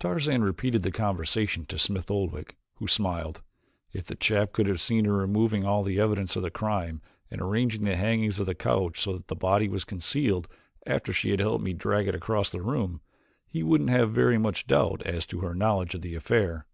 Tarzan repeated the conversation to Smith Oldwick, who smiled. "If the chap could have seen her removing all evidence of the crime and arranging the hangings of the couch so that the body was concealed after she had helped me drag it across the room, he wouldn't have very much doubt as to her knowledge of the affair.